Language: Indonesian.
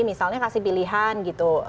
misalnya kasih pilihan gitu